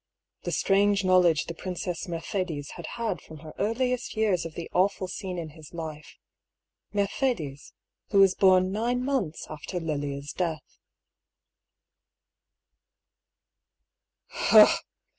The strange knowledge the Princess Mercedes had had from her earliest years of the awful scene in his life — Mercedes, who was bom nine months after Lilia's death.